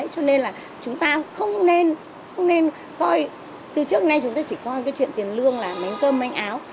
cho nên là chúng ta không nên coi từ trước nay chúng ta chỉ coi cái chuyện tiền lương là mánh cơm mánh áo